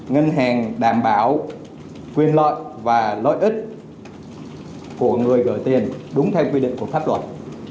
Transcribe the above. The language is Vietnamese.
ngân hàng đảm bảo quyền lợi và lợi ích của người đổi tiền đúng theo quy định của pháp luật